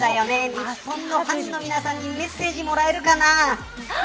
日本のファンの皆さんにメッセージもらえるかな。